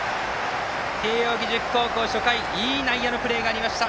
慶応義塾高校、初回いい内野のプレーがありました。